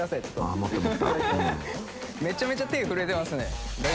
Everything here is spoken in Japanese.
めちゃめちゃ手震えてますね。